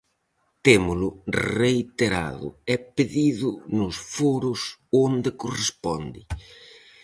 Témolo reiterado e pedido nos foros onde corresponde.